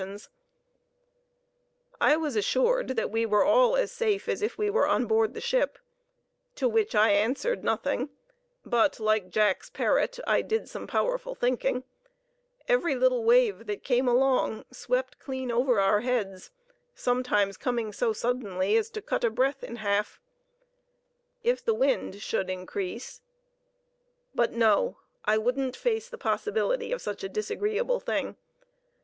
[Illustration: "He Lifted His Lance and Hurled It at the Visitor"] I was assured that we were all as safe as if we were on board the ship, to which I answered nothing; but, like Jack's parrot, I did some powerful thinking. Every little wave that came along swept clean over our heads, sometimes coming so suddenly as to cut a breath in half. If the wind should increase—but no—I wouldn't face the possibility of such a disagreeable thing.